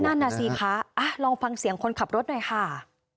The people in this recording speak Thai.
นั่นน่ะสิคะลองฟังเสียงคนขับรถหน่อยค่ะ